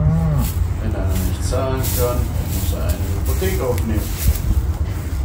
Wenn einer nicht zahlen kann, muss er eine Hypothek aufnehmen.